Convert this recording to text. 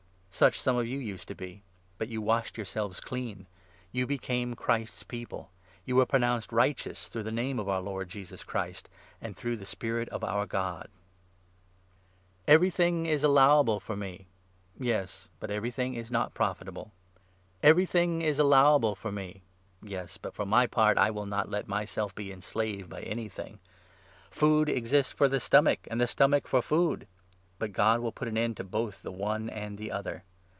Such 1 1 some of you used to be ; but you washed yourselves clean ! you became Christ's People ! you were pronounced righteous through the Name of our Lord Jesus Christ, and through the Spirit of our God ! The Everything is allowable for me ! Yes, but every 12 sacredness of thing is not profitable. Everything is allowable the Body. for me i Yes, but for my part, I will not let myself be enslaved by anything. Food exists for the stomach, and 13 the stomach for food ; but God will put an end to both the one and the other.